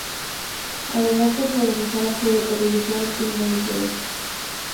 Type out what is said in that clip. Además protagonizó la serie de televisión "Teen Angel".